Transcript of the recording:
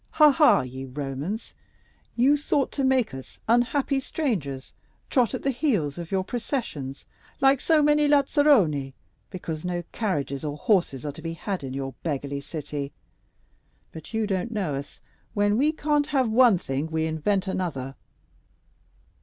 Ha, ha, ye Romans! you thought to make us, unhappy strangers, trot at the heels of your processions, like so many lazzaroni, because no carriages or horses are to be had in your beggarly city. But you don't know us; when we can't have one thing we invent another."